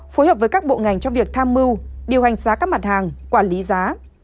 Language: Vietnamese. phối hợp với các bộ ngành trong việc tham mưu điều hành giá các mặt hàng quản lý giá